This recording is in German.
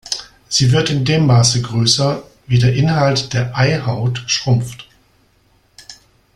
Sie wird in dem Maße größer, wie der Inhalt der Eihaut schrumpft.